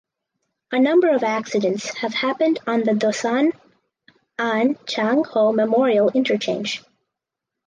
A number of accidents have happened on the Dosan Ahn Chang Ho Memorial Interchange.